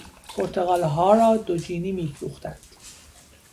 پرتقالها را دوجینی میفروختند.